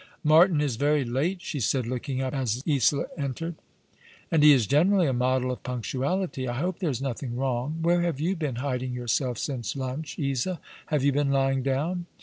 "Martin is very late," she said, looking up as Isola entered, *'and he is generally a model of punctuahty. I hope there is nothing wrong. Where have you been hiding yourself since lunch, Isa ? Have you been lying down